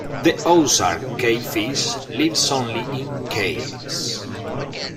The Ozark cavefish lives only in caves.